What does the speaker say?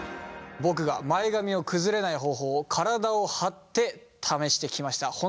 僕が前髪を崩れない方法を体を張って試してきました。